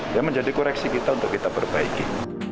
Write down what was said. yang menjadi koreksi kita untuk kita perbaiki